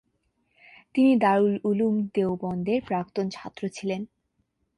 তিনি দারুল উলুম দেওবন্দের প্রাক্তন ছাত্র ছিলেন।